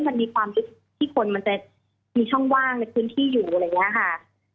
มันมีความสุขที่คนมันจะมีช่องว่างในพื้นที่อยู่อะไรอย่างนี้ค่ะ